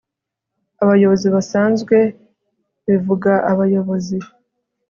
Abayobozi basanzwe bivuga abayobozi